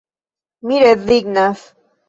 Mi rezignas.